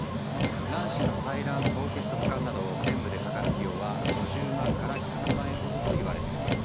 卵子の採卵凍結保管など全部でかかる費用は５０万から１００万円ほどといわれている。